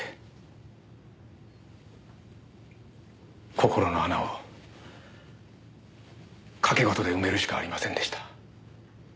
心の穴を賭け事で埋めるしかありませんでした。